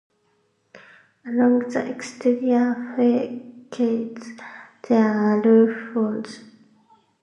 Along the exterior facades there are loopholes.